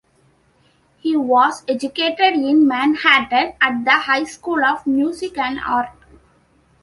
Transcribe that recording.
He was educated in Manhattan at the High School of Music and Art.